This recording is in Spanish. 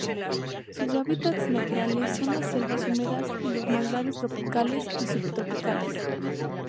Sus hábitats naturales son las selvas húmedas y los manglares tropicales y subtropicales.